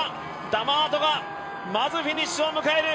ダマートがまずフィニッシュを迎える。